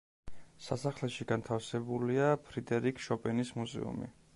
სასახლეში განთავსებულია ფრიდერიკ შოპენის მუზეუმი.